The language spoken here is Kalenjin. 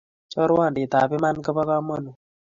Chorwandit ap iman kopa kamanut